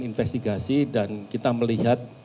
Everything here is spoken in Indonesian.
investigasi dan kita melihat